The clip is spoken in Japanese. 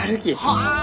はあ！